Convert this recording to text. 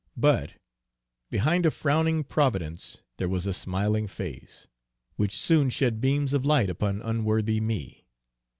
But "Behind a frowning Providence there was a smiling face," which soon shed beams of light upon unworthy me.